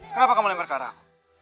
kenapa kamu lempar karang